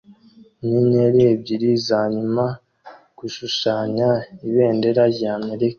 inyenyeri ebyiri zanyuma gushushanya ibendera rya Amerika